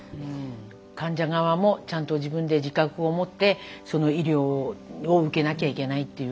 患者側もちゃんと自分で自覚を持ってその医療を受けなきゃいけないっていう。